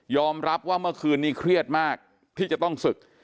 รับว่าเมื่อคืนนี้เครียดมากที่จะต้องศึก